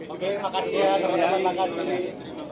oke makasih ya teman teman makasih